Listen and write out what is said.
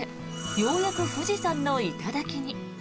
ようやく富士山の頂に。